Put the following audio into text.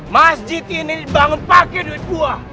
masjid ini dibangun pakai duit kuah